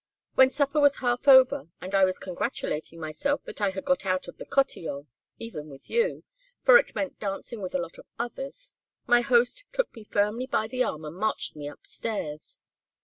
When supper was half over, and I was congratulating myself that I had got out of the cotillon, even with you, for it meant dancing with a lot of others, my host took me firmly by the arm and marched me up stairs.